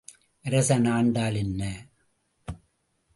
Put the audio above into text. அரசன் ஆண்டால் என்ன?